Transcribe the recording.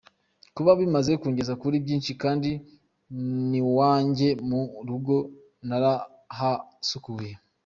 Kubaza bimaze kungeza kuri byinshi kandi n’iwanjye mu rugo narahasukuye.